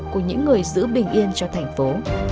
của những người giữ bình yên cho thành phố